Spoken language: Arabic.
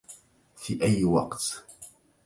في أي وقت؟